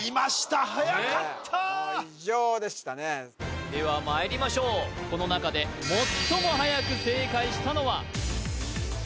はやかったもう異常でしたねではまいりましょうこの中で最もはやく正解したのは